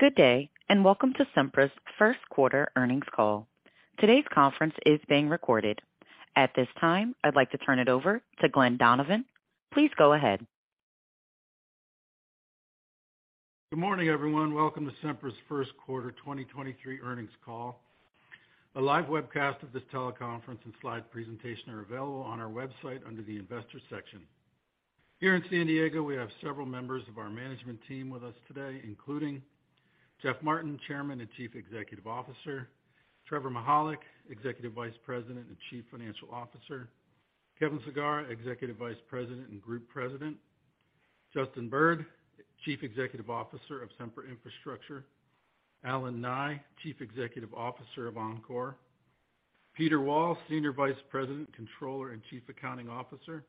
Good day, and welcome to Sempra's First Quarter Earnings Call. Today's conference is being recorded. At this time, I'd like to turn it over to Glen Donovan. Please go ahead. Good morning, everyone. Welcome to Sempra's First Quarter 2023 Earnings Call. A live webcast of this teleconference and slide presentation are available on our website under the Investors section. Here in San Diego, we have several members of our management team with us today, including Jeff Martin, Chairman and Chief Executive Officer; Trevor Mihalik, Executive Vice President and Chief Financial Officer; Kevin Sagara, Executive Vice President and Group President; Justin Bird, Chief Executive Officer of Sempra Infrastructure; Allen Nye, Chief Executive Officer of Oncor; Peter Wall, Senior Vice President, Controller, and Chief Accounting Officer,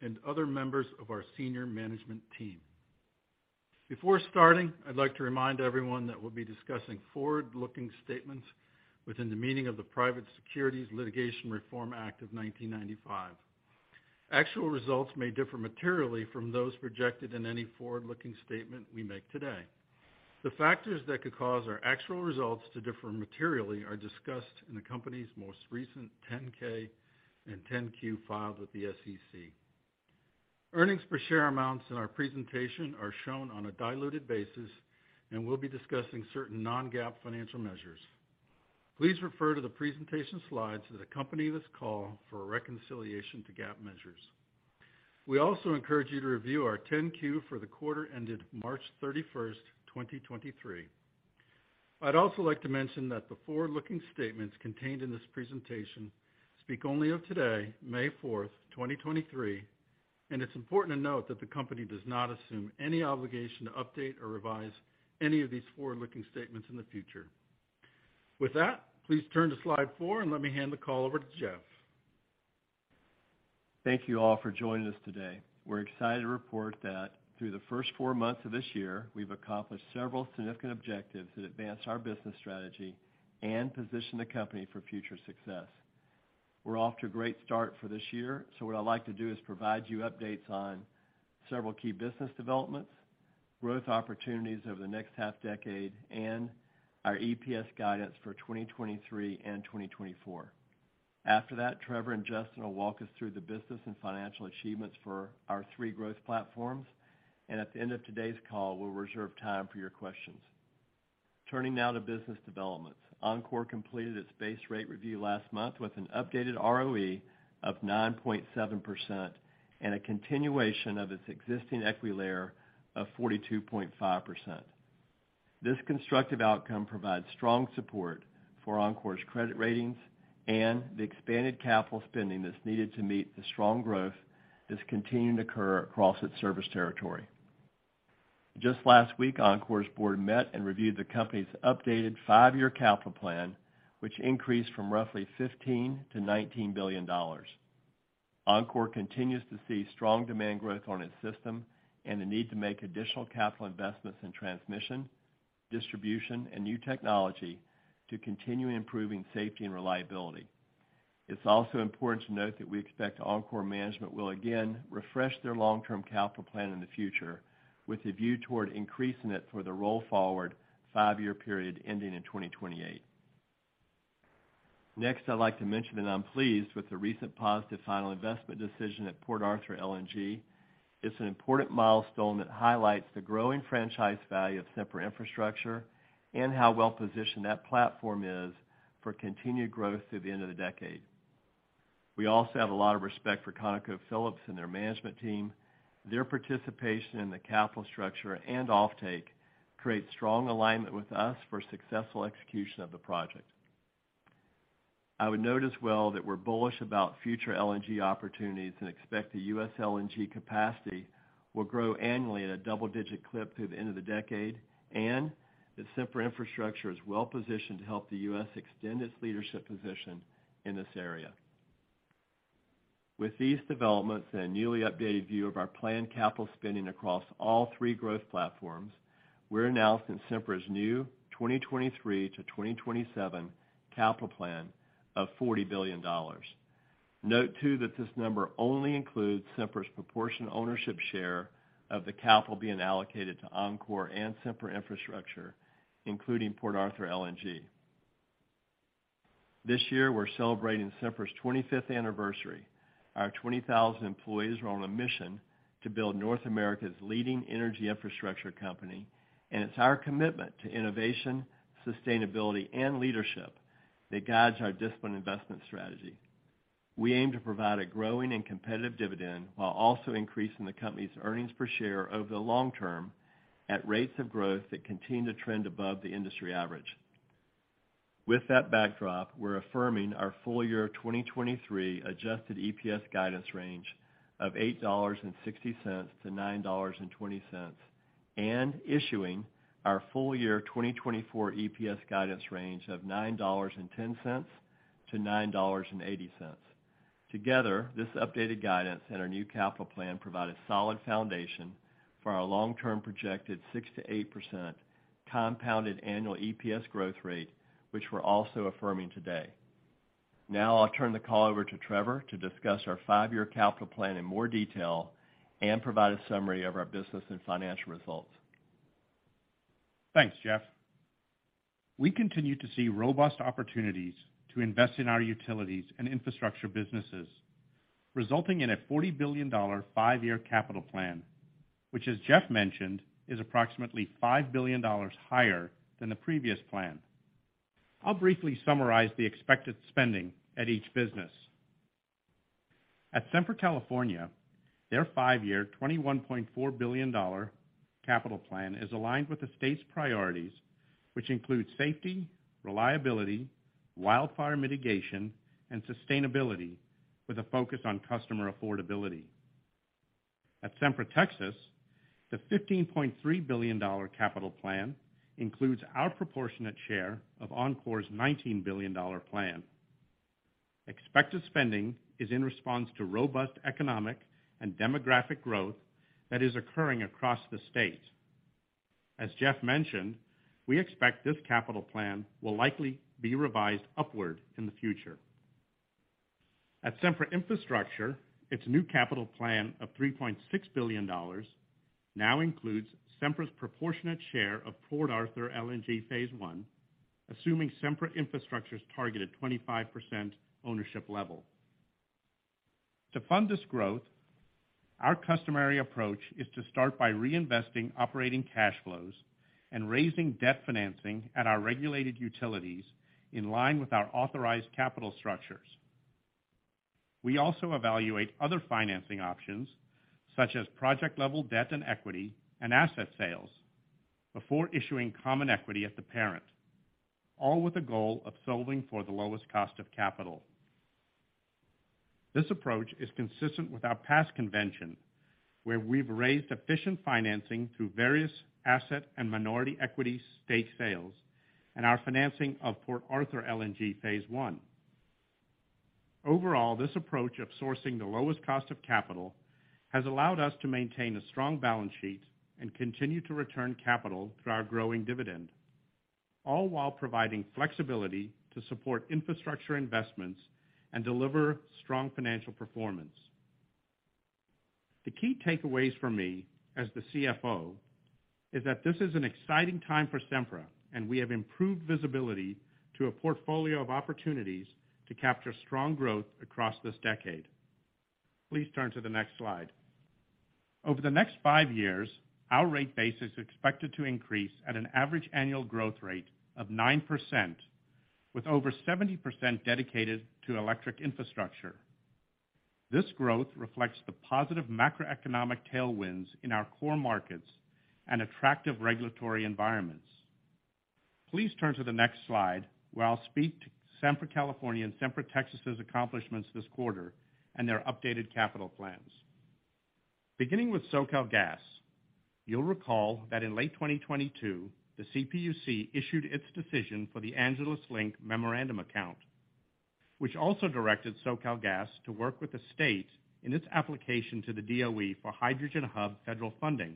and other members of our senior management team. Before starting, I'd like to remind everyone that we'll be discussing forward-looking statements within the meaning of the Private Securities Litigation Reform Act of 1995. Actual results may differ materially from those projected in any forward-looking statement we make today. The factors that could cause our actual results to differ materially are discussed in the company's most recent 10-K and 10-Q filed with the SEC. Earnings per share amounts in our presentation are shown on a diluted basis, and we'll be discussing certain non-GAAP financial measures. Please refer to the presentation slides that accompany this call for a reconciliation to GAAP measures. We also encourage you to review our 10-Q for the quarter ended March 31st, 2023. I'd also like to mention that the forward-looking statements contained in this presentation speak only of today, May 4th, 2023, and it's important to note that the company does not assume any obligation to update or revise any of these forward-looking statements in the future. With that, please turn to slide 4 and let me hand the call over to Jeff. Thank you all for joining us today. We're excited to report that through the first four months of this year, we've accomplished several significant objectives that advance our business strategy and position the company for future success. We're off to a great start for this year. What I'd like to do is provide you updates on several key business developments, growth opportunities over the next half-decade, and our EPS guidance for 2023 and 2024. After that, Trevor and Justin will walk us through the business and financial achievements for our three growth platforms, and at the end of today's call, we'll reserve time for your questions. Turning now to business developments. Oncor completed its base rate review last month with an updated ROE of 9.7% and a continuation of its existing equity layer of 42.5%. This constructive outcome provides strong support for Oncor's credit ratings and the expanded capital spending that's needed to meet the strong growth that's continuing to occur across its service territory. Just last week, Oncor's board met and reviewed the company's updated five-year capital plan, which increased from roughly $15 billion-$19 billion. Oncor continues to see strong demand growth on its system and the need to make additional capital investments in transmission, distribution, and new technology to continue improving safety and reliability. It's also important to note that we expect Oncor management will again refresh their long-term capital plan in the future with a view toward increasing it for the roll-forward five-year period ending in 2028. I'd like to mention that I'm pleased with the recent positive final investment decision at Port Arthur LNG. It's an important milestone that highlights the growing franchise value of Sempra Infrastructure and how well-positioned that platform is for continued growth through the end of the decade. We also have a lot of respect for ConocoPhillips and their management team. Their participation in the capital structure and offtake creates strong alignment with us for successful execution of the project. I would note as well that we're bullish about future LNG opportunities and expect the U.S. LNG capacity will grow annually at a double-digit clip through the end of the decade, and that Sempra Infrastructure is well positioned to help the U.S. extend its leadership position in this area. With these developments and a newly updated view of our planned capital spending across all three growth platforms, we're announcing Sempra's new 2023-2027 capital plan of $40 billion. Note too that this number only includes Sempra's proportion ownership share of the capital being allocated to Oncor and Sempra Infrastructure, including Port Arthur LNG. This year, we're celebrating Sempra's 25th anniversary. Our 20,000 employees are on a mission to build North America's leading energy infrastructure company, and it's our commitment to innovation, sustainability, and leadership that guides our disciplined investment strategy. We aim to provide a growing and competitive dividend while also increasing the company's earnings per share over the long term at rates of growth that continue to trend above the industry average. With that backdrop, we're affirming our full year 2023 adjusted EPS guidance range of $8.60-$9.20, and issuing our full year 2024 EPS guidance range of $9.10-$9.80. Together, this updated guidance and our new capital plan provide a solid foundation for our long-term projected 6%-8% compounded annual EPS growth rate, which we're also affirming today. Now I'll turn the call over to Trevor to discuss our five-year capital plan in more detail and provide a summary of our business and financial results. Thanks, Jeff. We continue to see robust opportunities to invest in our utilities and infrastructure businesses, resulting in a $40 billion five-year capital plan, which, as Jeff mentioned, is approximately $5 billion higher than the previous plan. I'll briefly summarize the expected spending at each business. At Sempra California, their five-year $21.4 billion capital plan is aligned with the state's priorities, which include safety, reliability, wildfire mitigation, and sustainability with a focus on customer affordability. At Sempra Texas, the $15.3 billion capital plan includes our proportionate share of Oncor's $19 billion plan. Expected spending is in response to robust economic and demographic growth that is occurring across the state. As Jeff mentioned, we expect this capital plan will likely be revised upward in the future. At Sempra Infrastructure, its new capital plan of $3.6 billion now includes Sempra's proportionate share of Port Arthur LNG Phase 1, assuming Sempra Infrastructure's targeted 25% ownership level. To fund this growth, our customary approach is to start by reinvesting operating cash flows and raising debt financing at our regulated utilities in line with our authorized capital structures. We also evaluate other financing options, such as project-level debt and equity and asset sales, before issuing common equity at the parent, all with the goal of solving for the lowest cost of capital. This approach is consistent with our past convention, where we've raised efficient financing through various asset and minority equity stake sales and our financing of Port Arthur LNG Phase 1. Overall, this approach of sourcing the lowest cost of capital has allowed us to maintain a strong balance sheet and continue to return capital through our growing dividend, all while providing flexibility to support infrastructure investments and deliver strong financial performance. The key takeaways for me, as the CFO, is that this is an exciting time for Sempra, and we have improved visibility to a portfolio of opportunities to capture strong growth across this decade. Please turn to the next slide. Over the next five years, our rate base is expected to increase at an average annual growth rate of 9%, with over 70% dedicated to electric infrastructure. This growth reflects the positive macroeconomic tailwinds in our core markets and attractive regulatory environments. Please turn to the next slide, where I'll speak to Sempra California and Sempra Texas' accomplishments this quarter and their updated capital plans. Beginning with SoCalGas, you'll recall that in late 2022, the CPUC issued its decision for the Angeles Link memorandum account, which also directed SoCalGas to work with the state in its application to the DOE for Hydrogen Hub federal funding.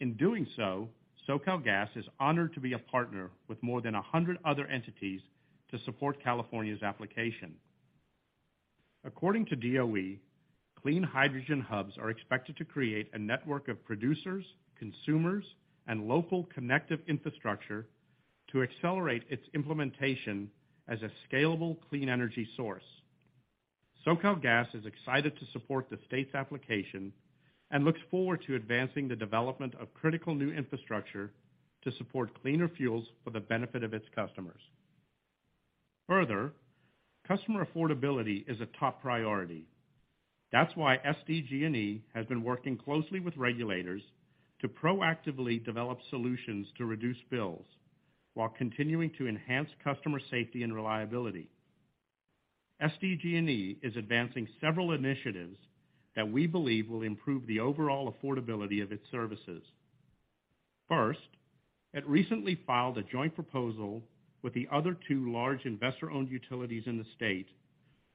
In doing so, SoCalGas is honored to be a partner with more than 100 other entities to support California's application. According to DOE, clean hydrogen hubs are expected to create a network of producers, consumers, and local connective infrastructure to accelerate its implementation as a scalable clean energy source. SoCalGas is excited to support the state's application and looks forward to advancing the development of critical new infrastructure to support cleaner fuels for the benefit of its customers. Further, customer affordability is a top priority. That's why SDG&E has been working closely with regulators to proactively develop solutions to reduce bills while continuing to enhance customer safety and reliability. SDG&E is advancing several initiatives that we believe will improve the overall affordability of its services. First, it recently filed a joint proposal with the other two large investor-owned utilities in the state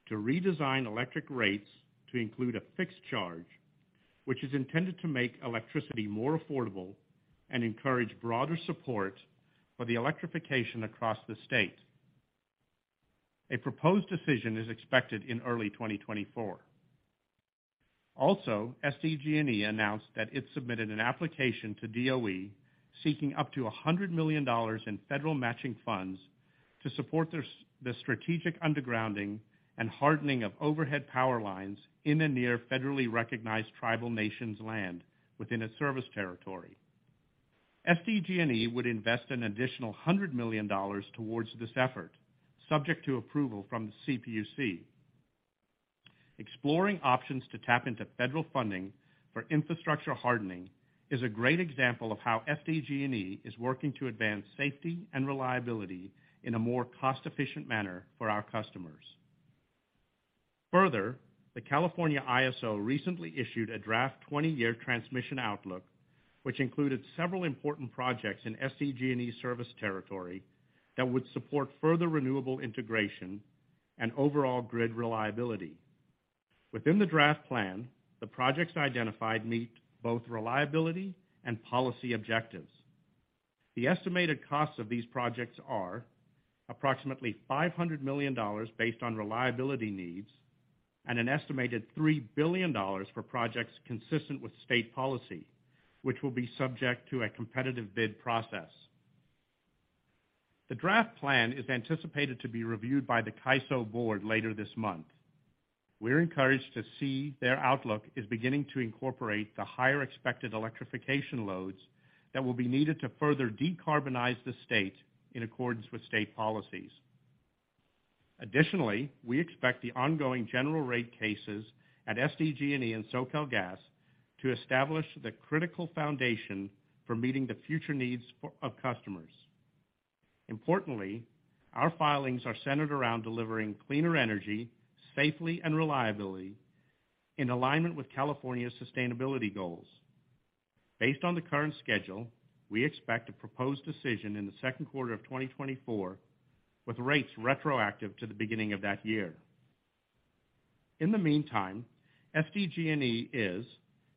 to redesign electric rates to include a fixed charge, which is intended to make electricity more affordable and encourage broader support for the electrification across the state. A proposed decision is expected in early 2024. SDG&E announced that it submitted an application to DOE seeking up to $100 million in federal matching funds to support the strategic undergrounding and hardening of overhead power lines in and near federally recognized tribal nations' land within its service territory. SDG&E would invest an additional $100 million towards this effort, subject to approval from the CPUC. Exploring options to tap into federal funding for infrastructure hardening is a great example of how SDG&E is working to advance safety and reliability in a more cost-efficient manner for our customers. The California ISO recently issued a draft 20-year transmission outlook, which included several important projects in SDG&E's service territory that would support further renewable integration and overall grid reliability. Within the draft plan, the projects identified meet both reliability and policy objectives. The estimated costs of these projects are approximately $500 million based on reliability needs and an estimated $3 billion for projects consistent with state policy, which will be subject to a competitive bid process. The draft plan is anticipated to be reviewed by the CAISO Board later this month. We're encouraged to see their outlook is beginning to incorporate the higher expected electrification loads that will be needed to further decarbonize the state in accordance with state policies. Additionally, we expect the ongoing general rate cases at SDG&E and SoCalGas to establish the critical foundation for meeting the future needs of customers. Importantly, our filings are centered around delivering cleaner energy safely and reliably in alignment with California's sustainability goals. Based on the current schedule, we expect a proposed decision in the second quarter of 2024, with rates retroactive to the beginning of that year. In the meantime, SDG&E is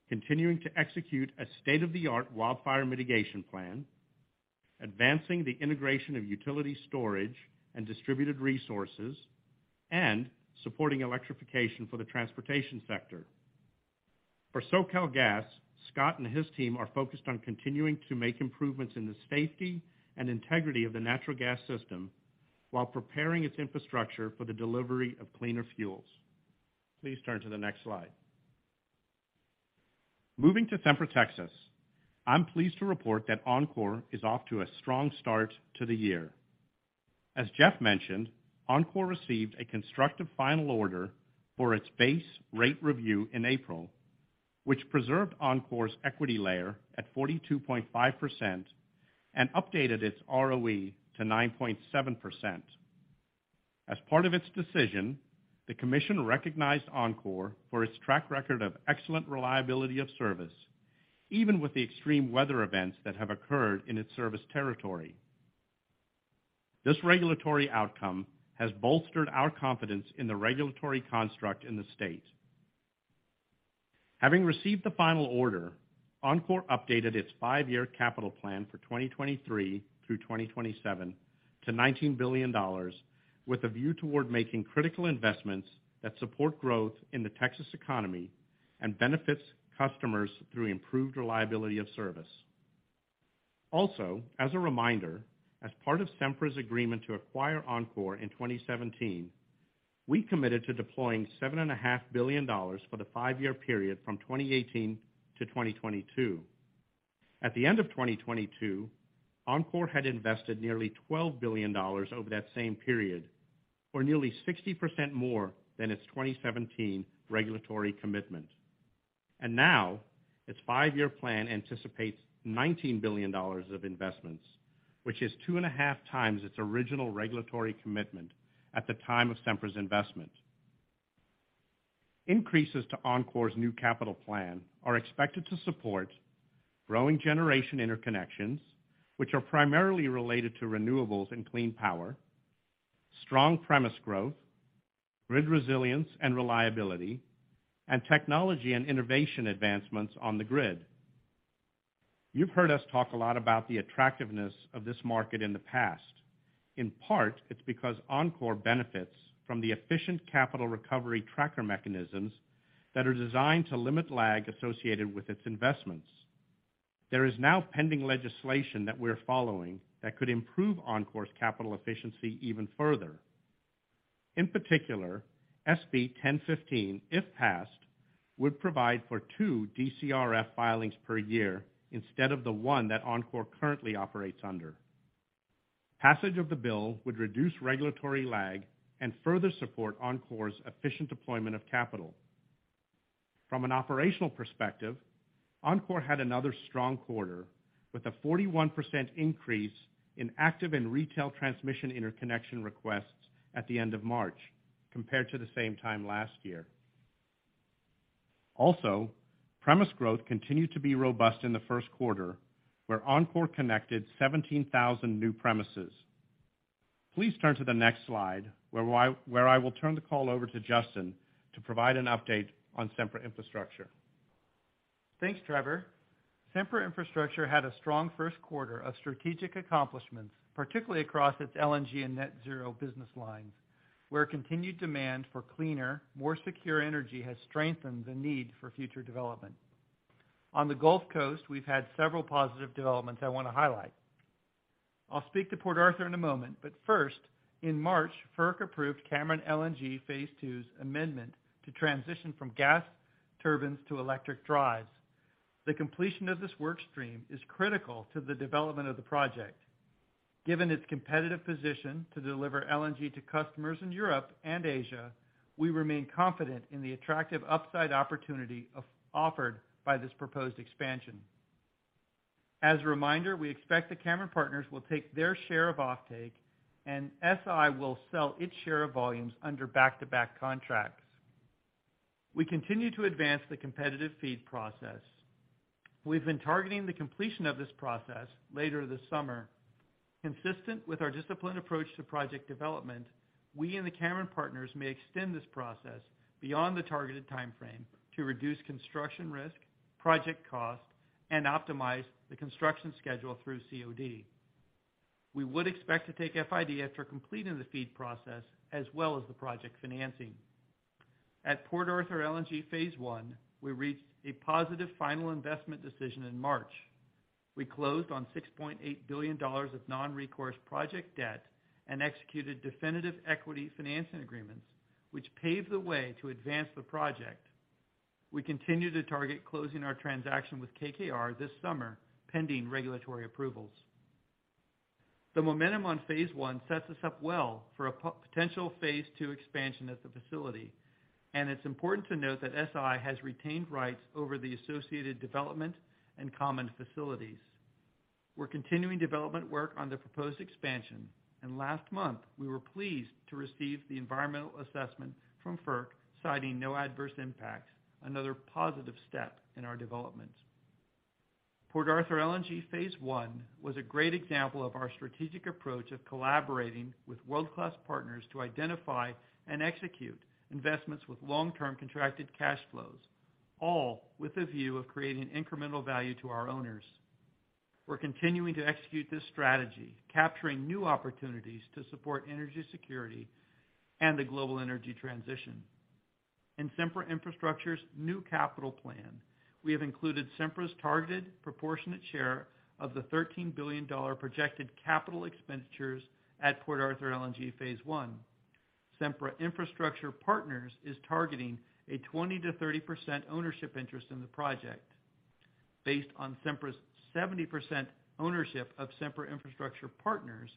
continuing to execute a state-of-the-art wildfire mitigation plan, advancing the integration of utility storage and distributed resources, and supporting electrification for the transportation sector. For SoCalGas, Scott and his team are focused on continuing to make improvements in the safety and integrity of the natural gas system while preparing its infrastructure for the delivery of cleaner fuels. Please turn to the next slide. Moving to Sempra Texas, I'm pleased to report that Oncor is off to a strong start to the year. As Jeff mentioned, Oncor received a constructive final order for its base rate review in April, which preserved Oncor's equity layer at 42.5% and updated its ROE to 9.7%. As part of its decision, the commission recognized Oncor for its track record of excellent reliability of service, even with the extreme weather events that have occurred in its service territory. This regulatory outcome has bolstered our confidence in the regulatory construct in the state. Having received the final order, Oncor updated its five-year capital plan for 2023 through 2027 to $19 billion with a view toward making critical investments that support growth in the Texas economy and benefits customers through improved reliability of service. As a reminder, as part of Sempra's agreement to acquire Oncor in 2017, we committed to deploying seven and a half billion dollars for the five-year period from 2018 to 2022. At the end of 2022, Oncor had invested nearly $12 billion over that same period, or nearly 60% more than its 2017 regulatory commitment. Now, its five-year plan anticipates $19 billion of investments, which is 2.5x its original regulatory commitment at the time of Sempra's investment. Increases to Oncor's new capital plan are expected to support growing generation interconnections, which are primarily related to renewables and clean power, strong premise growth, grid resilience and reliability, and technology and innovation advancements on the grid. You've heard us talk a lot about the attractiveness of this market in the past. In part, it's because Oncor benefits from the efficient capital recovery tracker mechanisms that are designed to limit lag associated with its investments. There is now pending legislation that we're following that could improve Oncor's capital efficiency even further. In particular, SB 1015, if passed, would provide for two DCRF filings per year instead of the one that Oncor currently operates under. Passage of the bill would reduce regulatory lag and further support Oncor's efficient deployment of capital. From an operational perspective, Oncor had another strong quarter, with a 41% increase in active and retail transmission interconnection requests at the end of March compared to the same time last year. Premise growth continued to be robust in the first quarter, where Oncor connected 17,000 new premises. Please turn to the next slide, where I will turn the call over to Justin to provide an update on Sempra Infrastructure. Thanks, Trevor. Sempra Infrastructure had a strong first quarter of strategic accomplishments, particularly across its LNG and net zero business lines, where continued demand for cleaner, more secure energy has strengthened the need for future development. On the Gulf Coast, we've had several positive developments I wanna highlight. I'll speak to Port Arthur in a moment, but first, in March, FERC approved Cameron LNG Phase 2's amendment to transition from gas turbines to electric drives. The completion of this workstream is critical to the development of the project. Given its competitive position to deliver LNG to customers in Europe and Asia, we remain confident in the attractive upside opportunity offered by this proposed expansion. As a reminder, we expect the Cameron partners will take their share of offtake, and SI will sell its share of volumes under back-to-back contracts. We continue to advance the competitive FEED process. We've been targeting the completion of this process later this summer. Consistent with our disciplined approach to project development, we and the Cameron partners may extend this process beyond the targeted timeframe to reduce construction risk, project cost, and optimize the construction schedule through COD. We would expect to take FID after completing the feed process as well as the project financing. At Port Arthur LNG Phase 1, we reached a positive final investment decision in March. We closed on $6.8 billion of non-recourse project debt and executed definitive equity financing agreements, which paved the way to advance the project. We continue to target closing our transaction with KKR this summer, pending regulatory approvals. The momentum on Phase 1 sets us up well for a potential Phase 2 expansion at the facility. It's important to note that SI has retained rights over the associated development and common facilities. We're continuing development work on the proposed expansion. Last month, we were pleased to receive the environmental assessment from FERC, citing no adverse impacts, another positive step in our development. Port Arthur LNG Phase 1 was a great example of our strategic approach of collaborating with world-class partners to identify and execute investments with long-term contracted cash flows, all with a view of creating incremental value to our owners. We're continuing to execute this strategy, capturing new opportunities to support energy security and the global energy transition. In Sempra Infrastructure's new capital plan, we have included Sempra's targeted proportionate share of the $13 billion projected capital expenditures at Port Arthur LNG Phase 1. Sempra Infrastructure Partners is targeting a 20%-30% ownership interest in the project. Based on Sempra's 70% ownership of Sempra Infrastructure Partners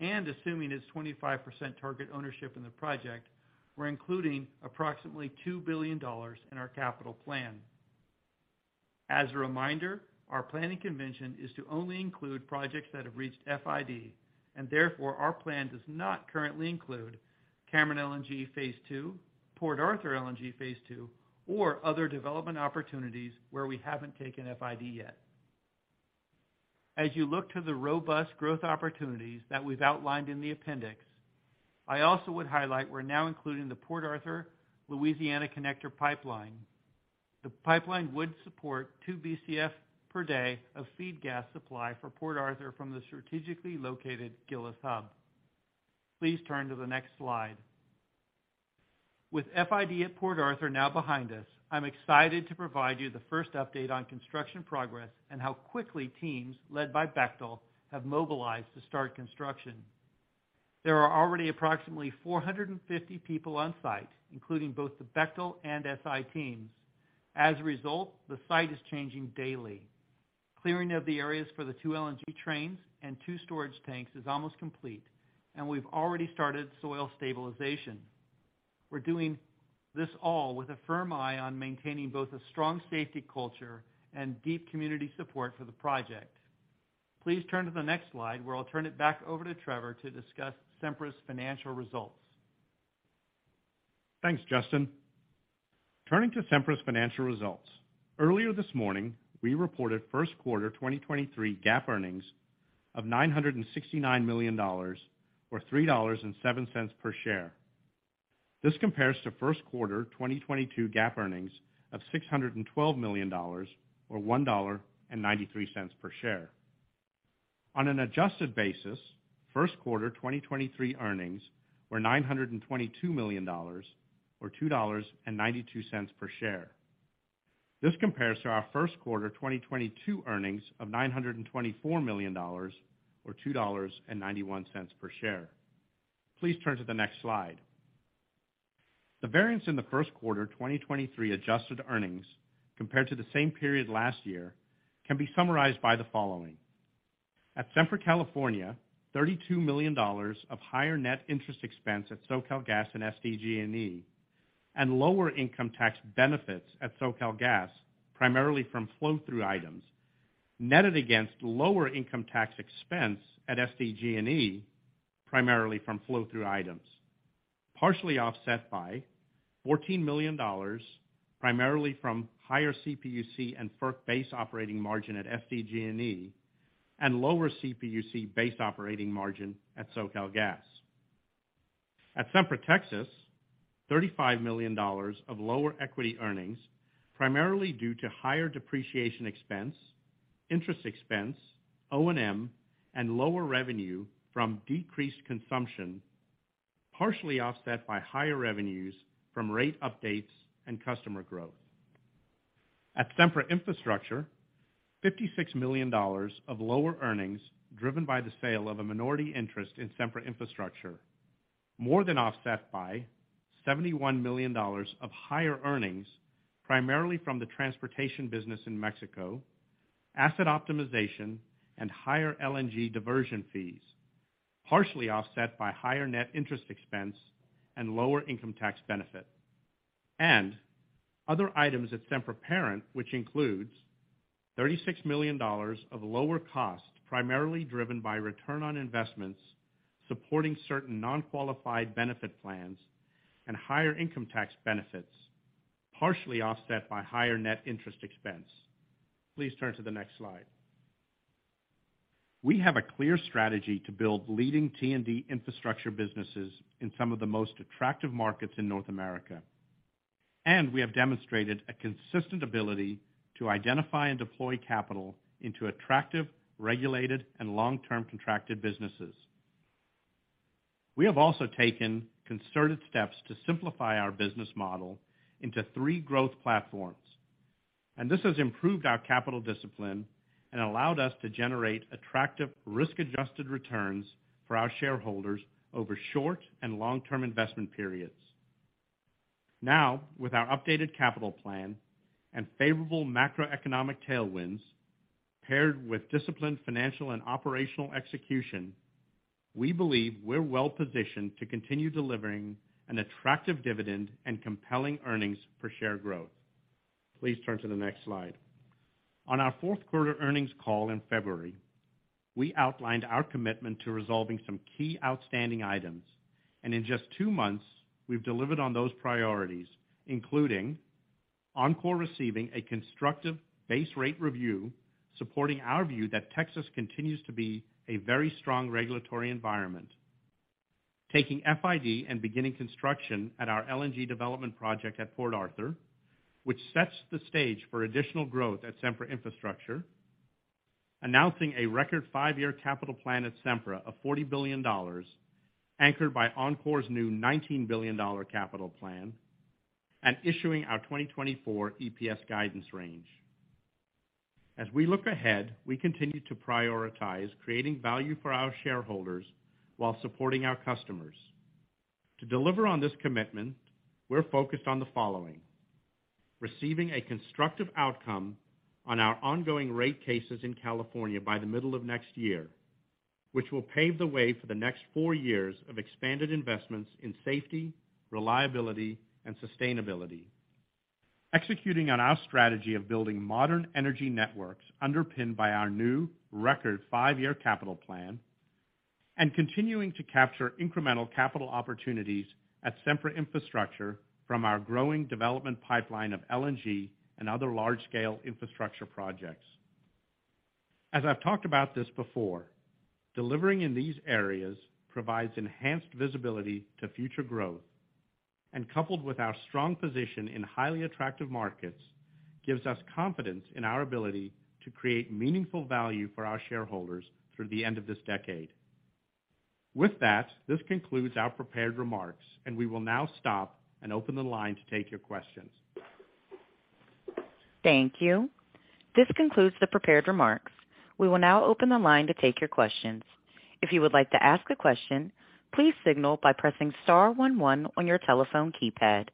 and assuming its 25% target ownership in the project, we're including approximately $2 billion in our capital plan. As a reminder, our planning convention is to only include projects that have reached FID, and therefore, our plan does not currently include Cameron LNG Phase 2, Port Arthur LNG Phase 2, or other development opportunities where we haven't taken FID yet. As you look to the robust growth opportunities that we've outlined in the appendix, I also would highlight we're now including the Port Arthur Pipeline Louisiana Connector. The pipeline would support two BCF per day of feed gas supply for Port Arthur from the strategically located Gillis Hub. Please turn to the next slide. With FID at Port Arthur now behind us, I'm excited to provide you the first update on construction progress and how quickly teams led by Bechtel have mobilized to start construction. There are already approximately 450 people on site, including both the Bechtel and SI teams. As a result, the site is changing daily. Clearing of the areas for the two LNG trains and two storage tanks is almost complete, and we've already started soil stabilization. We're doing this all with a firm eye on maintaining both a strong safety culture and deep community support for the project. Please turn to the next slide, where I'll turn it back over to Trevor to discuss Sempra's financial results. Thanks, Justin. Turning to Sempra's financial results. Earlier this morning, we reported first quarter 2023 GAAP earnings of $969 million or $3.07 per share. This compares to first quarter 2022 GAAP earnings of $612 million or $1.93 per share. On an adjusted basis, first quarter 2023 earnings were $922 million or $2.92 per share. This compares to our first quarter 2022 earnings of $924 million or $2.91 per share. Please turn to the next slide. The variance in the first quarter 2023 adjusted earnings compared to the same period last year can be summarized by the following. At Sempra California, $32 million of higher net interest expense at SoCalGas and SDG&E and lower income tax benefits at SoCalGas, primarily from flow-through items, netted against lower income tax expense at SDG&E, primarily from flow-through items. Partially offset by $14 million, primarily from higher CPUC and FERC base operating margin at SDG&E and lower CPUC base operating margin at SoCalGas. At Sempra Texas, $35 million of lower equity earnings, primarily due to higher depreciation expense, interest expense, O&M, and lower revenue from decreased consumption, partially offset by higher revenues from rate updates and customer growth. At Sempra Infrastructure, $56 million of lower earnings driven by the sale of a minority interest in Sempra Infrastructure, more than offset by $71 million of higher earnings, primarily from the transportation business in Mexico, asset optimization, and higher LNG diversion fees, partially offset by higher net interest expense and lower income tax benefit. Other items at Sempra Parent, which includes $36 million of lower cost, primarily driven by return on investments, supporting certain non-qualified benefit plans and higher income tax benefits. Partially offset by higher net interest expense. Please turn to the next slide. We have a clear strategy to build leading T&D infrastructure businesses in some of the most attractive markets in North America, we have demonstrated a consistent ability to identify and deploy capital into attractive, regulated and long-term contracted businesses. We have also taken concerted steps to simplify our business model into three growth platforms. This has improved our capital discipline and allowed us to generate attractive risk-adjusted returns for our shareholders over short and long-term investment periods. With our updated capital plan and favorable macroeconomic tailwinds, paired with disciplined financial and operational execution, we believe we're well-positioned to continue delivering an attractive dividend and compelling earnings per share growth. Please turn to the next slide. On our fourth quarter earnings call in February, we outlined our commitment to resolving some key outstanding items. In just two months, we've delivered on those priorities, including Oncor receiving a constructive base rate review supporting our view that Texas continues to be a very strong regulatory environment, taking FID and beginning construction at our LNG development project at Port Arthur, which sets the stage for additional growth at Sempra Infrastructure. Announcing a record five-year capital plan at Sempra of $40 billion, anchored by Oncor's new $19 billion capital plan. Issuing our 2024 EPS guidance range. As we look ahead, we continue to prioritize creating value for our shareholders while supporting our customers. To deliver on this commitment, we're focused on the following: receiving a constructive outcome on our ongoing rate cases in California by the middle of next year, which will pave the way for the next four years of expanded investments in safety, reliability, and sustainability. Executing on our strategy of building modern energy networks underpinned by our new record five-year capital plan. Continuing to capture incremental capital opportunities at Sempra Infrastructure from our growing development pipeline of LNG and other large-scale infrastructure projects. As I've talked about this before, delivering in these areas provides enhanced visibility to future growth, and coupled with our strong position in highly attractive markets, gives us confidence in our ability to create meaningful value for our shareholders through the end of this decade. With that, this concludes our prepared remarks, and we will now stop and open the line to take your questions. Thank you. This concludes the prepared remarks. We will now open the line to take your questions. If you would like to ask a question, please signal by pressing star one one on your telephone keypad.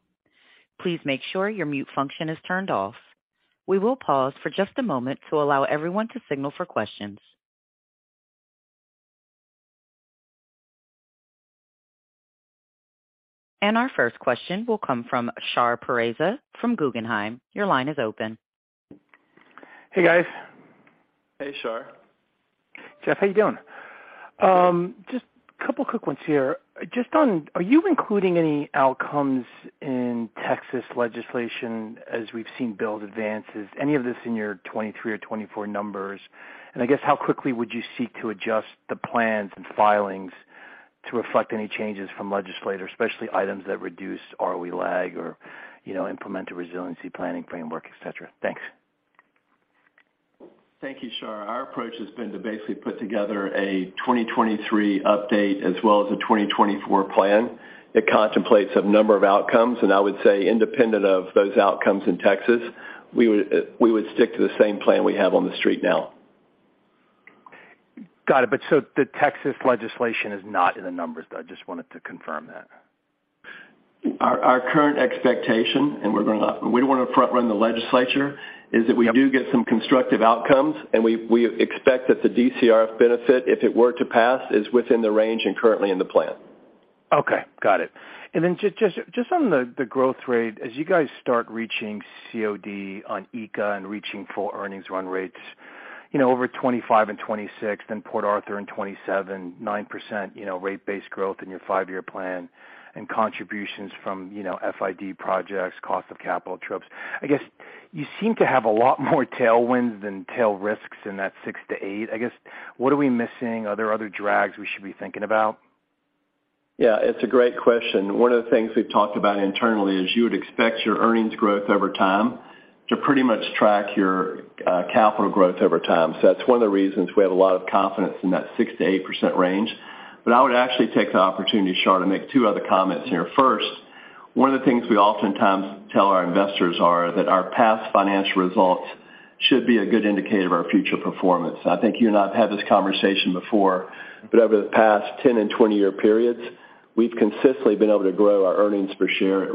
Please make sure your mute function is turned off. We will pause for just a moment to allow everyone to signal for questions. Our first question will come from Shahriar Pourreza from Guggenheim. Your line is open. Hey, guys. Hey, Shar. Jeff, how you doing? Just a couple of quick ones here. Are you including any outcomes in Texas legislation as we've seen bill advances, any of this in your 2023 or 2024 numbers? I guess how quickly would you seek to adjust the plans and filings to reflect any changes from legislators, especially items that reduce ROE lag or, you know, implement a resiliency planning framework, et cetera? Thanks. Thank you, Shahriar. Our approach has been to basically put together a 2023 update as well as a 2024 plan that contemplates a number of outcomes. I would say independent of those outcomes in Texas, we would stick to the same plan we have on the street now. Got it. The Texas legislation is not in the numbers, though. I just wanted to confirm that. Our current expectation, and we don't wanna front run the legislature, is that we do get some constructive outcomes, and we expect that the DCRF benefit, if it were to pass, is within the range and currently in the plan. Okay, got it. Then just on the growth rate, as you guys start reaching COD on ECA and reaching full earnings run rates, you know, over 2025 and 2026, then Port Arthur in 2027, 9%, you know, rate-based growth in your five-year plan and contributions from, you know, FID projects, cost of capital trips. I guess you seem to have a lot more tailwinds than tail risks in that 6%-8%. I guess, what are we missing? Are there other drags we should be thinking about? Yeah, it's a great question. One of the things we've talked about internally is you would expect your earnings growth over time to pretty much track your capital growth over time. That's one of the reasons we have a lot of confidence in that 6%-8% range. I would actually take the opportunity, Shahriar, to make two other comments here. First, one of the things we oftentimes tell our investors are that our past financial results should be a good indicator of our future performance. I think you and I have had this conversation before, but over the past 10 and 20-year periods, we've consistently been able to grow our earnings per share at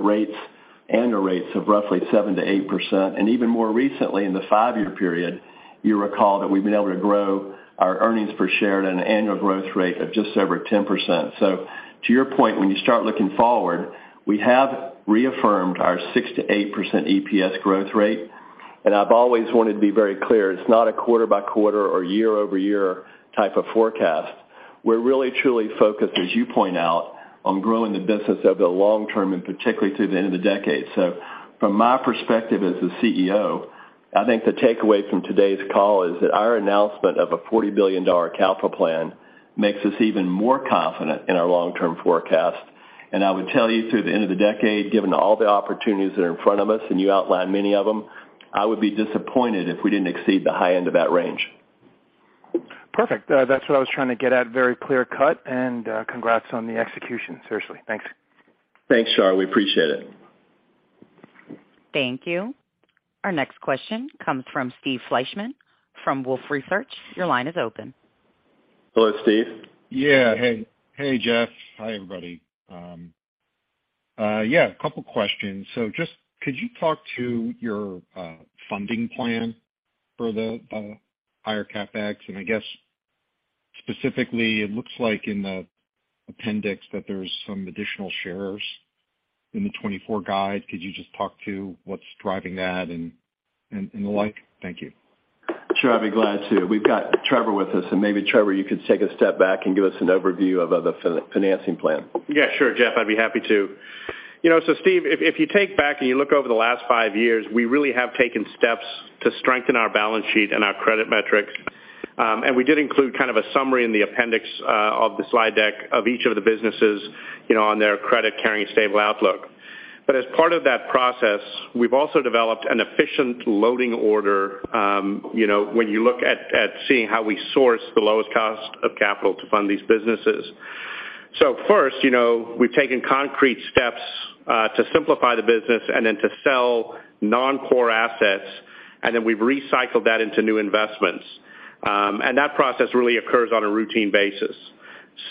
annual rates of roughly 7%-8%. Even more recently, in the five-year period, you recall that we've been able to grow our earnings per share at an annual growth rate of just over 10%. To your point, when you start looking forward, we have reaffirmed our 6%-8% EPS growth rate. I've always wanted to be very clear, it's not a quarter-by-quarter or year-over-year type of forecast. We're really truly focused, as you point out, on growing the business over the long term and particularly through the end of the decade. From my perspective as the CEO, I think the takeaway from today's call is that our announcement of a $40 billion capital plan makes us even more confident in our long-term forecast. I would tell you, through the end of the decade, given all the opportunities that are in front of us, and you outlined many of them, I would be disappointed if we didn't exceed the high end of that range. Perfect. That's what I was trying to get at. Very clear cut and congrats on the execution, seriously. Thanks. Thanks, Shar. We appreciate it. Thank you. Our next question comes from Steve Fleishman from Wolfe Research. Your line is open. Hello, Steve. Yeah. Hey, Jeff. Hi, everybody. Yeah, a couple questions. Just could you talk to your funding plan for the higher CapEx? And I guess specifically, it looks like in the appendix that there's some additional shares in the 24 guide. Could you just talk to what's driving that and the like? Thank you. Sure, I'd be glad to. We've got Trevor with us, and maybe Trevor, you could take a step back and give us an overview of the financing plan. Yeah, sure. Jeff, I'd be happy to. You know, Steve, if you take back and you look over the last five years, we really have taken steps to strengthen our balance sheet and our credit metrics. We did include kind of a summary in the appendix of the slide deck of each of the businesses, you know, on their credit carrying stable outlook. As part of that process, we've also developed an efficient loading order, you know, when you look at seeing how we source the lowest cost of capital to fund these businesses. First, you know, we've taken concrete steps to simplify the business and then to sell non-core assets, and then we've recycled that into new investments. That process really occurs on a routine basis.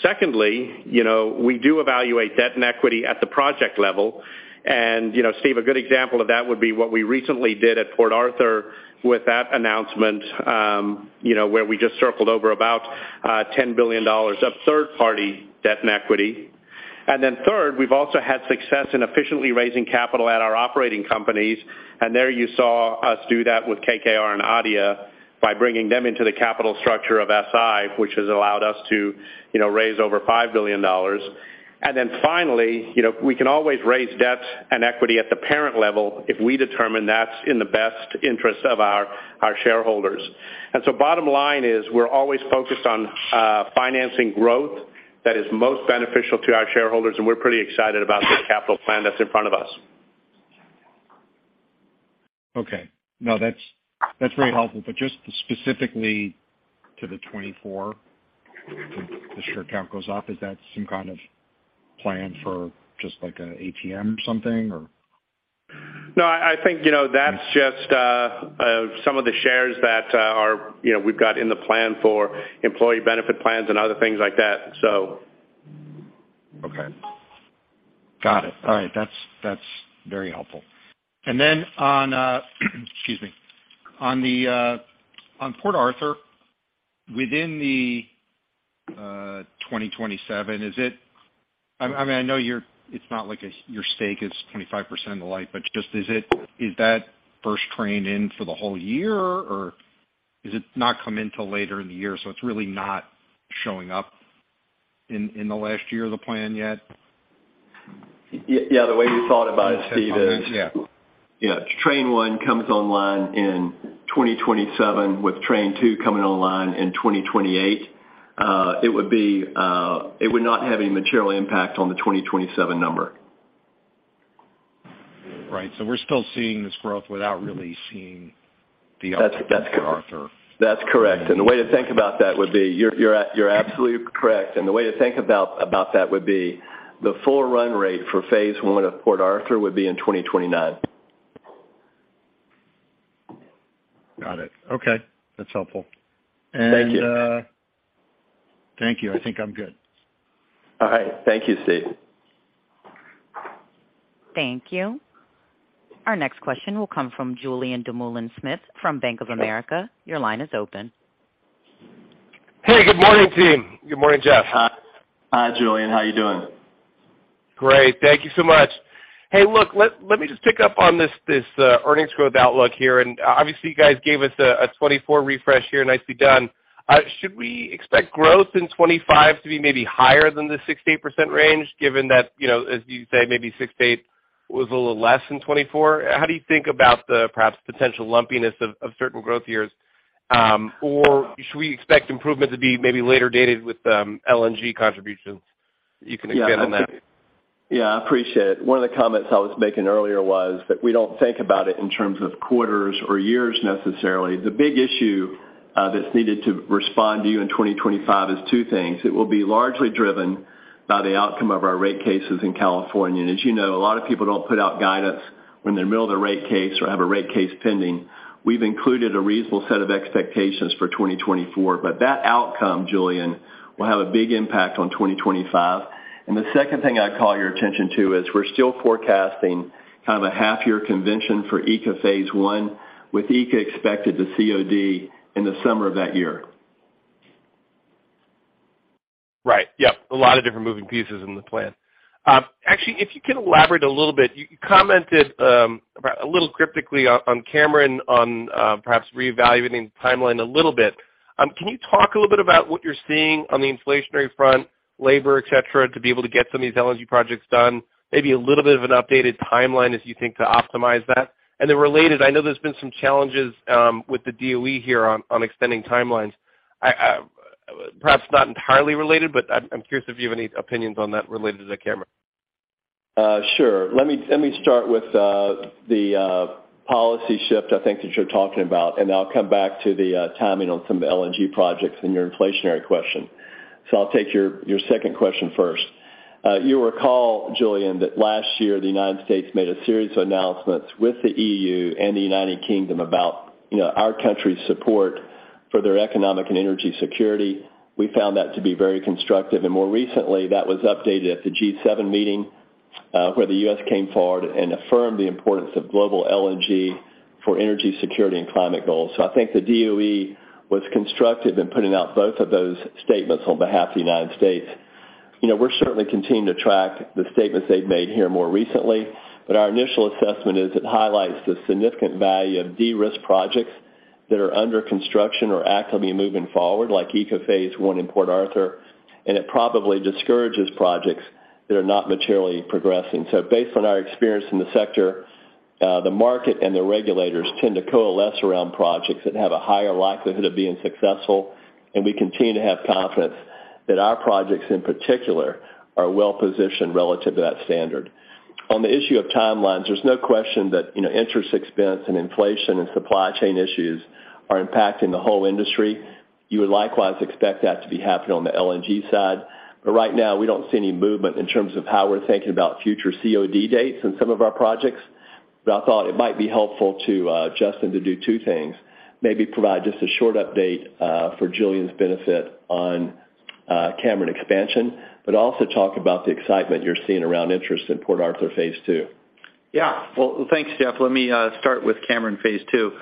Secondly, you know, we do evaluate debt and equity at the project level. You know, Steve, a good example of that would be what we recently did at Port Arthur with that announcement, you know, where we just circled over about $10 billion of third-party debt and equity. Third, we've also had success in efficiently raising capital at our operating companies. There you saw us do that with KKR and ADIA by bringing them into the capital structure of SI, which has allowed us to, you know, raise over $5 billion. Finally, you know, we can always raise debt and equity at the parent level if we determine that's in the best interest of our shareholders. Bottom line is we're always focused on financing growth that is most beneficial to our shareholders, and we're pretty excited about this capital plan that's in front of us. Okay. No, that's very helpful. Just specifically to 2024, the share count goes up. Is that some kind of plan for just like an ATM or something, or? I think, you know, that's just some of the shares that are, you know, we've got in the plan for employee benefit plans and other things like that, so. Okay. Got it. All right. That's very helpful. Then on, excuse me, on the, on Port Arthur, within the, 2027, is it... I mean, I know it's not like your stake is 25% of the light, but just is that first train in for the whole year, or is it not come in till later in the year, so it's really not showing up in the last year of the plan yet? Yeah, the way you thought about it, Steve. Yeah. Yeah. Train one comes online in 2027 with train two coming online in 2028. It would not have any material impact on the 2027 number. Right. We're still seeing this growth without really seeing. That's correct. -Arthur. That's correct. The way to think about that would be, you're absolutely correct. The way to think about that would be the full run rate for Phase 1 of Port Arthur would be in 2029. Got it. Okay. That's helpful. Thank you. thank you. I think I'm good. All right. Thank you, Steve. Thank you. Our next question will come from Julien Dumoulin-Smith from Bank of America. Your line is open. Hey, good morning team. Good morning, Jeff. Hi. Hi, Julien. How are you doing? Great. Thank you so much. Hey, look, let me just pick up on this earnings growth outlook here. Obviously, you guys gave us a 2024 refresh here. Nicely done. Should we expect growth in 2025 to be maybe higher than the 6%-8% range, given that, you know, as you say, maybe 6%-8% was a little less than 2024? How do you think about the perhaps potential lumpiness of certain growth years? Or should we expect improvement to be maybe later dated with LNG contributions? You can expand on that. Yeah, I appreciate it. One of the comments I was making earlier was that we don't think about it in terms of quarters or years necessarily. The big issue that's needed to respond to you in 2025 is two things. It will be largely driven by the outcome of our rate cases in California. As you know, a lot of people don't put out guidance when they're in the middle of the rate case or have a rate case pending. We've included a reasonable set of expectations for 2024, but that outcome, Julien, will have a big impact on 2025. The second thing I'd call your attention to is we're still forecasting kind of a half year convention for ECA Phase 1, with ECA expected to COD in the summer of that year. Yeah, a lot of different moving pieces in the plan. Actually, if you could elaborate a little bit, you commented, a little cryptically on Cameron, perhaps reevaluating the timeline a little bit. Can you talk a little bit about what you're seeing on the inflationary front, labor, et cetera, to be able to get some of these LNG projects done? Maybe a little bit of an updated timeline as you think to optimize that. Related, I know there's been some challenges, with the DOE here on extending timelines. I perhaps not entirely related, but I'm curious if you have any opinions on that related to the Cameron. Sure. Let me start with the policy shift I think that you're talking about, and I'll come back to the timing on some of the LNG projects and your inflationary question. I'll take your second question first. You'll recall, Julien, that last year, the United States made a series of announcements with the EU and the United Kingdom about, you know, our country's support for their economic and energy security. We found that to be very constructive. More recently, that was updated at the G7 meeting, where the U.S. came forward and affirmed the importance of global LNG for energy security and climate goals. I think the DOE was constructive in putting out both of those statements on behalf of the United States. You know, we're certainly continuing to track the statements they've made here more recently, but our initial assessment is it highlights the significant value of de-risk projects that are under construction or actively moving forward, like ECA LNG Phase 1 in Port Arthur, and it probably discourages projects that are not materially progressing. Based on our experience in the sector, the market and the regulators tend to coalesce around projects that have a higher likelihood of being successful, and we continue to have confidence that our projects in particular are well-positioned relative to that standard. On the issue of timelines, there's no question that, you know, interest expense and inflation and supply chain issues are impacting the whole industry. You would likewise expect that to be happening on the LNG side. Right now, we don't see any movement in terms of how we're thinking about future COD dates in some of our projects. I thought it might be helpful to Justin to do two things, maybe provide just a short update for Julien's benefit on Cameron expansion, but also talk about the excitement you're seeing around interest in Port Arthur Phase 2. Well, thanks, Jeff. Let me start with Cameron Phase 2.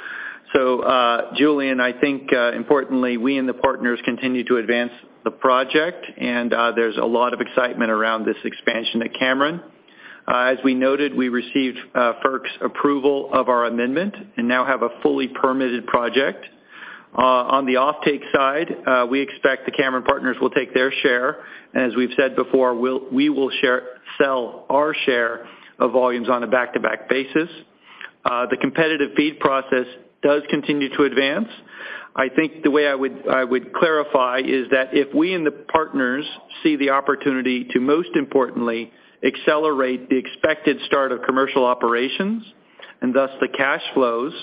Julien, I think importantly, we and the partners continue to advance the project, and there's a lot of excitement around this expansion at Cameron. As we noted, we received FERC's approval of our amendment and now have a fully permitted project. On the offtake side, we expect the Cameron partners will take their share. As we've said before, we will sell our share of volumes on a back-to-back basis. The competitive bid process does continue to advance. I think the way I would clarify is that if we and the partners see the opportunity to most importantly accelerate the expected start of commercial operations, and thus the cash flows,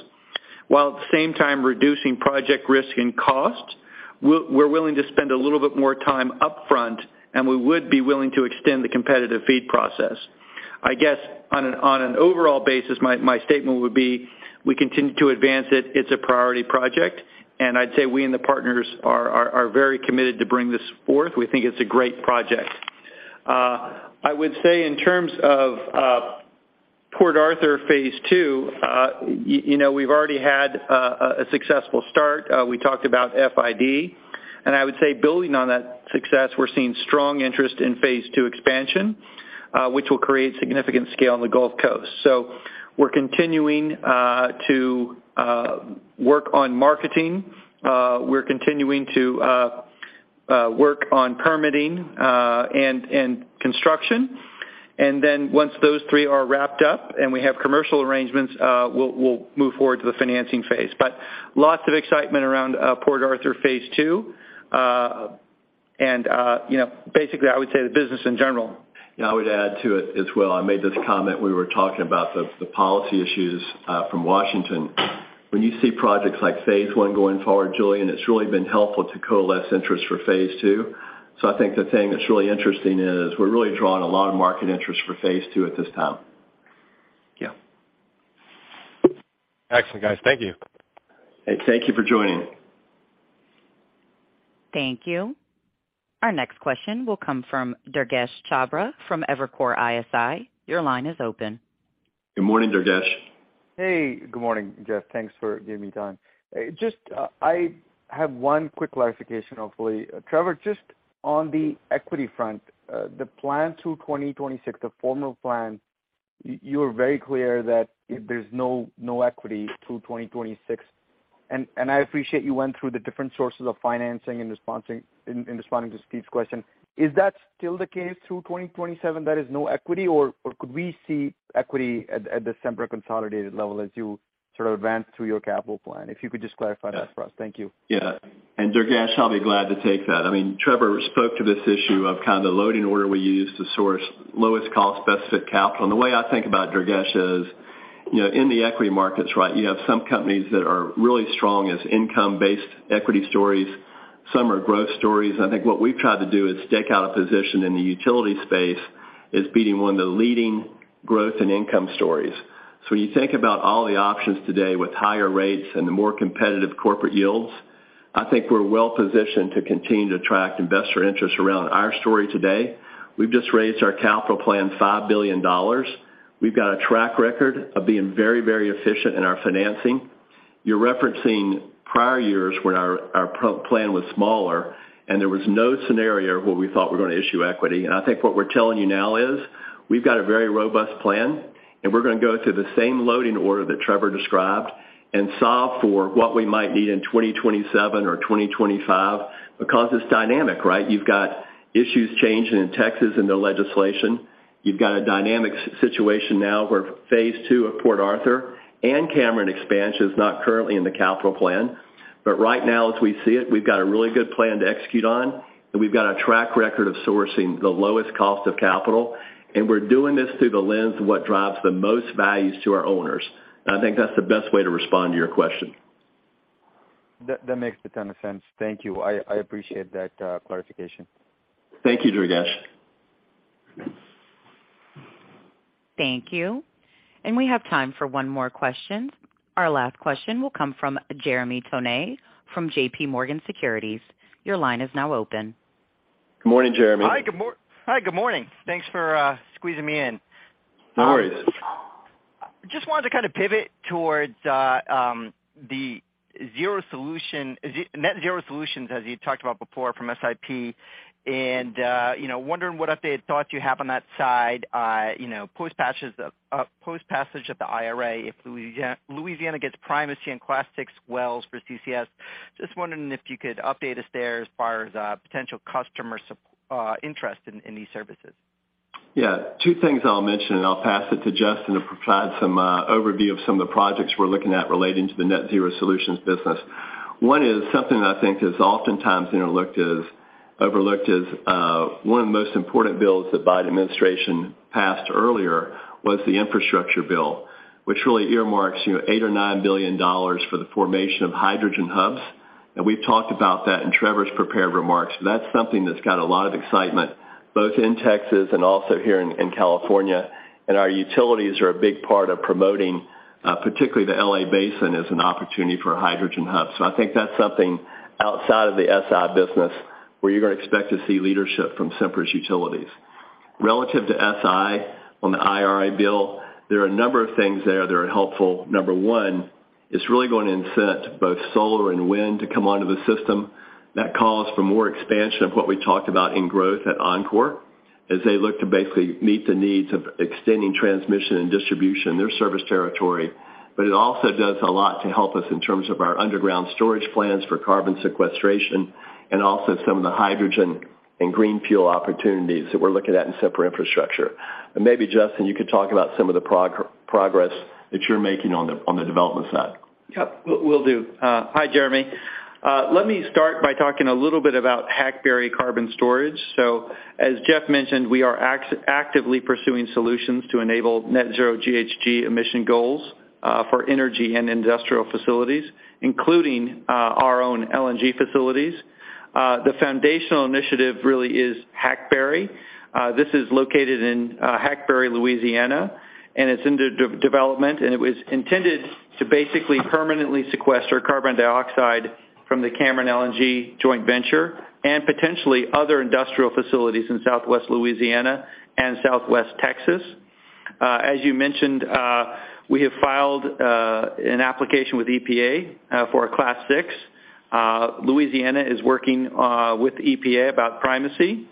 while at the same time reducing project risk and cost, we're willing to spend a little bit more time upfront, we would be willing to extend the competitive FEED process. I guess on an overall basis, my statement would be we continue to advance it. It's a priority project, I'd say we and the partners are very committed to bring this forth. We think it's a great project. I would say in terms of Port Arthur Phase 2, you know, we've already had a successful start. We talked about FID. I would say building on that success, we're seeing strong interest in Phase 2 expansion, which will create significant scale on the Gulf Coast. We're continuing to work on marketing. We're continuing to work on permitting and construction. Once those three are wrapped up and we have commercial arrangements, we'll move forward to the financing phase. Lots of excitement around Port Arthur Phase 2. And, you know, basically, I would say the business in general. Yeah, I would add to it as well. I made this comment when we were talking about the policy issues, from Washington. When you see projects like Phase 1 going forward, Julien, it's really been helpful to coalesce interest for Phase 2. I think the thing that's really interesting is we're really drawing a lot of market interest for Phase 2 at this time. Yeah. Excellent, guys. Thank you. Hey, thank you for joining. Thank you. Our next question will come from Durgesh Chopra from Evercore ISI. Your line is open. Good morning, Durgesh. Hey, good morning, Jeff. Thanks for giving me time. Just, I have one quick clarification, hopefully. Trevor, just on the equity front, the plan through 2026, the formal plan, you are very clear that there's no equity through 2026. I appreciate you went through the different sources of financing in responding to Steve's question. Is that still the case through 2027, there is no equity, or could we see equity at the Sempra consolidated level as you sort of advance through your capital plan? If you could just clarify that for us. Thank you. Yeah. Durgesh, I'll be glad to take that. I mean, Trevor spoke to this issue of kind of the loading order we use to source lowest cost best fit capital. The way I think about Durgesh is, you know, in the equity markets, right, you have some companies that are really strong as income-based equity stories. Some are growth stories. I think what we've tried to do is stake out a position in the utility space as being one of the leading growth and income stories. When you think about all the options today with higher rates and the more competitive corporate yields, I think we're well-positioned to continue to attract investor interest around our story today. We've just raised our capital plan $5 billion. We've got a track record of being very, very efficient in our financing. You're referencing prior years when our plan was smaller, and there was no scenario where we thought we were gonna issue equity. I think what we're telling you now is we've got a very robust plan, and we're gonna go through the same loading order that Trevor described and solve for what we might need in 2027 or 2025 because it's dynamic, right? You've got issues changing in Texas and the legislation. You've got a dynamic situation now where Phase 2 of Port Arthur and Cameron expansion is not currently in the capital plan. Right now, as we see it, we've got a really good plan to execute on, we've got a track record of sourcing the lowest cost of capital, we're doing this through the lens of what drives the most values to our owners. I think that's the best way to respond to your question. That makes a ton of sense. Thank you. I appreciate that clarification. Thank you, Durgesh. Thank you. We have time for one more question. Our last question will come from Jeremy Tonet from J.P. Morgan Securities. Your line is now open. Good morning, Jeremy. Hi. Good morning. Thanks for squeezing me in. No worries. Just wanted to kind of pivot towards the net zero solutions, as you talked about before from SIP. You know, wondering what updated thoughts you have on that side, you know, post-passage of the IRA, if Louisiana gets primacy in Class VI wells for CCS. Just wondering if you could update us there as far as potential customer interest in these services? Yeah. Two things I'll mention, I'll pass it to Justin to provide some overview of some of the projects we're looking at relating to the net zero solutions business. One is something that I think is oftentimes overlooked as one of the most important bills the Biden administration passed earlier was the infrastructure bill, which really earmarks, you know, $8 billion-$9 billion for the formation of Hydrogen Hubs. We've talked about that in Trevor's prepared remarks. That's something that's got a lot of excitement both in Texas and also here in California. Our utilities are a big part of promoting, particularly the L.A. Basin as an opportunity for a Hydrogen Hub. I think that's something outside of the SI business where you're gonna expect to see leadership from Sempra's utilities. Relative to SI on the IRA bill, there are a number of things there that are helpful. Number one, it's really going to incent both solar and wind to come onto the system. That calls for more expansion of what we talked about in growth at Oncor as they look to basically meet the needs of extending transmission and distribution in their service territory. It also does a lot to help us in terms of our underground storage plans for carbon sequestration and also some of the hydrogen and green fuel opportunities that we're looking at in Sempra Infrastructure. Maybe, Justin, you could talk about some of the progress that you're making on the development side. Yep. Will do. Hi, Jeremy. Let me start by talking a little bit about Hackberry carbon storage. As Jeff mentioned, we are actively pursuing solutions to enable net zero GHG emission goals for energy and industrial facilities, including our own LNG facilities. The foundational initiative really is Hackberry. This is located in Hackberry, Louisiana, and it's under development, and it was intended to basically permanently sequester carbon dioxide from the Cameron LNG joint venture and potentially other industrial facilities in Southwest Louisiana and Southwest Texas. As you mentioned, we have filed an application with EPA for a Class VI. Louisiana is working with EPA about primacy.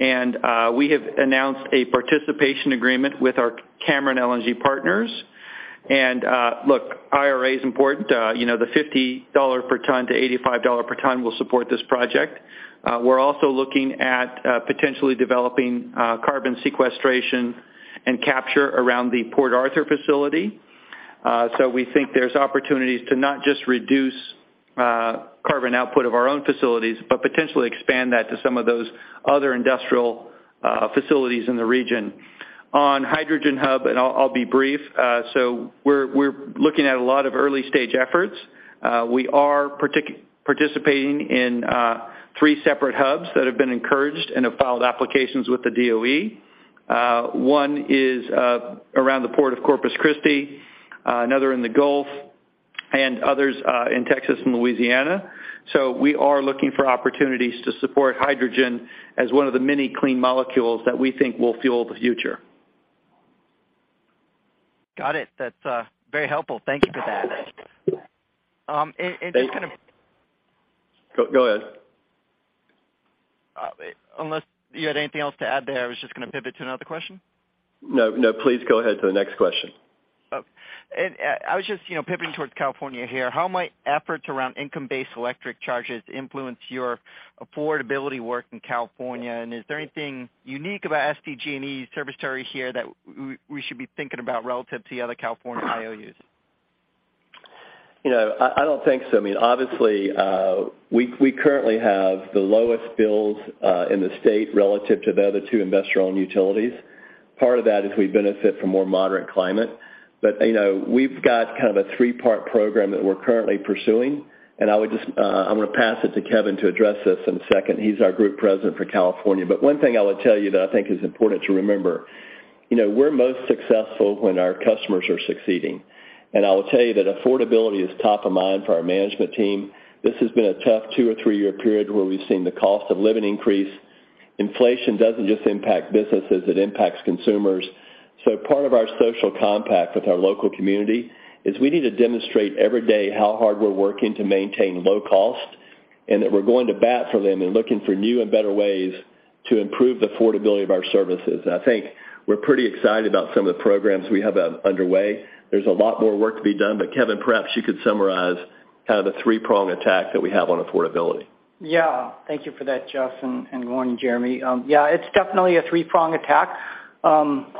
And we have announced a participation agreement with our Cameron LNG partners. Look, IRA is important. You know, the $50/t to $85/t will support this project. We're also looking at potentially developing carbon sequestration and capture around the Port Arthur facility. We think there's opportunities to not just reduce carbon output of our own facilities, but potentially expand that to some of those other industrial facilities in the region. On Hydrogen Hub, I'll be brief. We're looking at a lot of early stage efforts. We are participating in three separate hubs that have been encouraged and have filed applications with the DOE. One is around the Port of Corpus Christi, another in the Gulf, others in Texas and Louisiana. We are looking for opportunities to support hydrogen as one of the many clean molecules that we think will fuel the future. Got it. That's very helpful. Thank you for that. and just kind of- Go ahead. Unless you had anything else to add there, I was just gonna pivot to another question. No, no, please go ahead to the next question. Okay. I was just, you know, pivoting towards California here. How might efforts around income-based electric charges influence your affordability work in California? Is there anything unique about SDG&E's service territory here that we should be thinking about relative to the other California IOUs? You know, I don't think so. I mean, obviously, we currently have the lowest bills in the state relative to the other two Investor-Owned Utilities. Part of that is we benefit from more moderate climate. You know, we've got kind of a three-part program that we're currently pursuing, I'm gonna pass it to Kevin to address this in a second. He's our Group President for California. One thing I would tell you that I think is important to remember, you know, we're most successful when our customers are succeeding. I will tell you that affordability is top of mind for our management team. This has been a tough two or three-year period where we've seen the cost of living increase. Inflation doesn't just impact businesses, it impacts consumers. Part of our social compact with our local community is we need to demonstrate every day how hard we're working to maintain low cost, and that we're going to bat for them and looking for new and better ways to improve the affordability of our services. I think we're pretty excited about some of the programs we have underway. There's a lot more work to be done, Kevin, perhaps you could summarize kind of the three-prong attack that we have on affordability. Thank you for that, Jeff, and good morning, Jeremy. It's definitely a three-prong attack,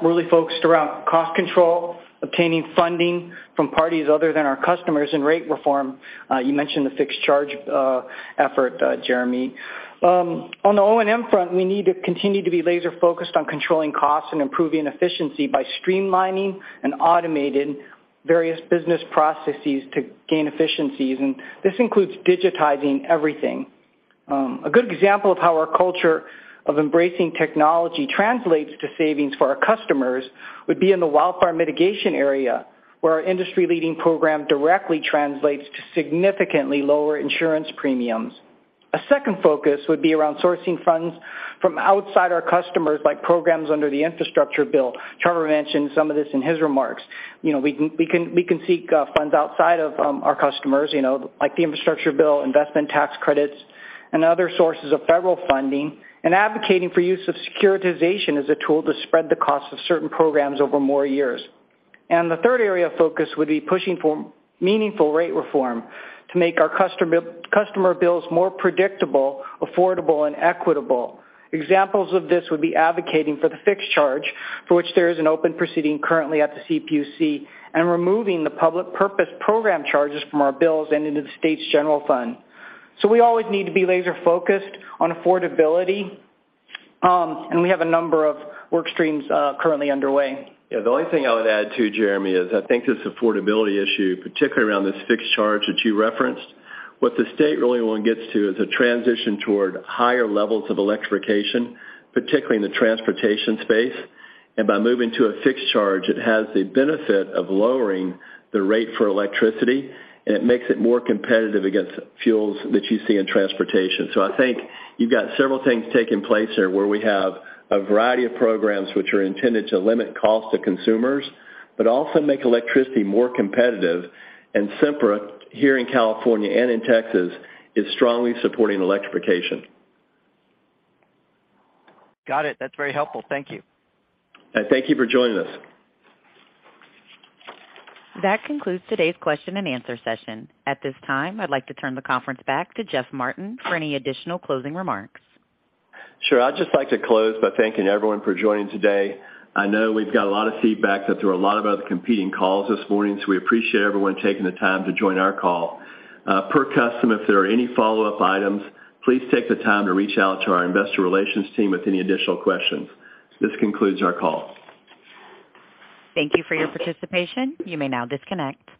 really focused around cost control, obtaining funding from parties other than our customers, and rate reform. You mentioned the fixed charge effort, Jeremy. On the O&M front, we need to continue to be laser-focused on controlling costs and improving efficiency by streamlining and automating various business processes to gain efficiencies, and this includes digitizing everything. A good example of how our culture of embracing technology translates to savings for our customers would be in the wildfire mitigation area, where our industry-leading program directly translates to significantly lower insurance premiums. A second focus would be around sourcing funds from outside our customers, like programs under the infrastructure bill. Trevor mentioned some of this in his remarks. We can seek funds outside of our customers, like the Infrastructure Bill, investment tax credits, and other sources of federal funding, and advocating for use of securitization as a tool to spread the cost of certain programs over more years. The third area of focus would be pushing for meaningful rate reform to make our customer bills more predictable, affordable, and equitable. Examples of this would be advocating for the fixed charge, for which there is an open proceeding currently at the CPUC, and removing the public purpose program charges from our bills and into the state's general fund. We always need to be laser-focused on affordability, and we have a number of work streams currently underway. Yeah. The only thing I would add, too, Jeremy, is I think this affordability issue, particularly around this fixed charge that you referenced, what the state really want gets to is a transition toward higher levels of electrification, particularly in the transportation space. By moving to a fixed charge, it has the benefit of lowering the rate for electricity, and it makes it more competitive against fuels that you see in transportation. I think you've got several things taking place here, where we have a variety of programs which are intended to limit cost to consumers, but also make electricity more competitive. Sempra, here in California and in Texas, is strongly supporting electrification. Got it. That's very helpful. Thank you. Thank you for joining us. That concludes today's question and answer session. At this time, I'd like to turn the conference back to Jeff Martin for any additional closing remarks. Sure. I'd just like to close by thanking everyone for joining today. I know we've got a lot of feedback that there were a lot of other competing calls this morning, so we appreciate everyone taking the time to join our call. Per custom, if there are any follow-up items, please take the time to reach out to our investor relations team with any additional questions. This concludes our call. Thank you for your participation. You may now disconnect.